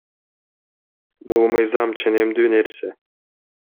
Бул мыйзам ченемдүү нерсе.